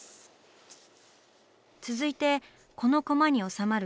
続いてこのコマに収まる